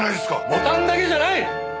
ボタンだけじゃない！